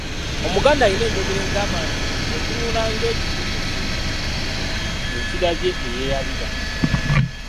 Omuganda alina enjogera egamba nti otunula ng'ekikutuzi ekirabye eyeeyalira.